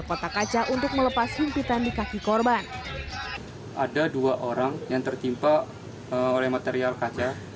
kotak kaca untuk melepas himpitan di kaki korban ada dua orang yang tertimpa oleh material kaca